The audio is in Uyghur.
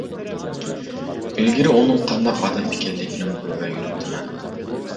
ئىلگىرى ئۇنىڭ قانداق ئادەم ئىكەنلىكىنىمۇ بىلمەي يۈرۈپتىمەن.